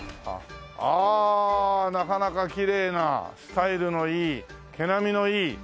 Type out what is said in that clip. ああなかなかきれいなスタイルのいい毛並みのいい神馬さん。